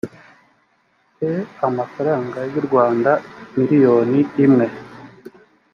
e amafaranga y u rwanda miliyoni imwe